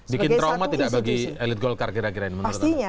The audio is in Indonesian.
bikin trauma tidak bagi elit golkar kira kira ini menurut anda